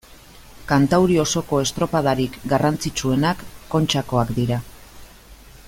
Kantauri osoko estropadarik garrantzitsuenak Kontxakoak dira.